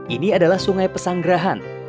ini adalah sungai pesanggerahan